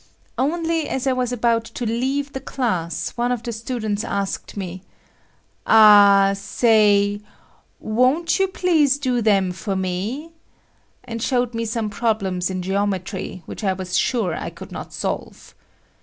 Only, as I was about to leave the class, one of the students asked me, "A ah say, won't you please do them for me?" and showed me some problems in geometry which I was sure I could not solve.